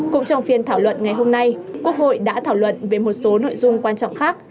cũng trong phiên thảo luận ngày hôm nay quốc hội đã thảo luận về một số nội dung quan trọng khác